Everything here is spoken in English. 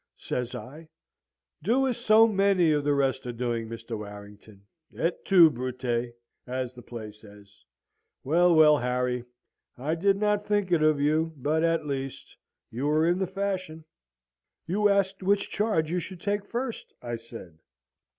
says I. "'Do as so many of the rest are doing, Mr. Warrington. Et tu, Brute, as the play says. Well, well, Harry! I did not think it of you; but, at least, you are in the fashion.' "'You asked which charge you should take first?' I said.